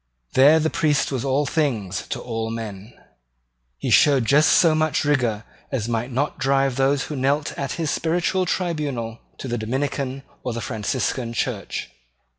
There the priest was all things to all men. He showed just so much rigour as might not drive those who knelt at his spiritual tribunal to the Dominican or the Franciscan church.